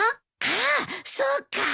ああそうか！